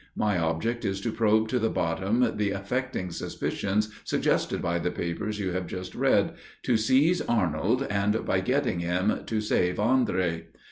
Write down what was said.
My object is to probe to the bottom the affecting suspicions suggested by the papers you have just read to seize Arnold, and, by getting him, to save Andre.